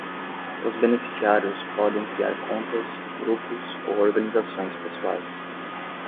Os beneficiários podem criar contas, grupos ou organizações pessoais.